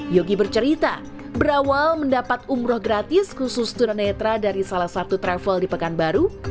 yogi bercerita berawal mendapat umroh gratis khusus tunanetra dari salah satu travel di pekanbaru